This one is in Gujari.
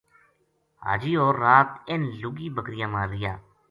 حاجی ہور رات اِنھ لُگی بکریاں ما رہیا